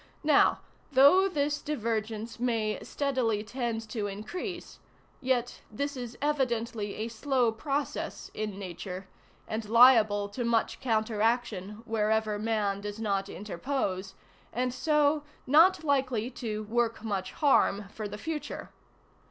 Now, though this divergence may "steadily tend to increase," yet this is evidently a slow process in Nature, and liable to much counteraction wherever man does not interpose, and so not likely to 'work much harm for the future.